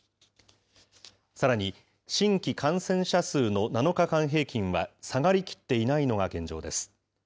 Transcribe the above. さらに、新規感染者数の７日間平均は下がりきっていないのが現状です。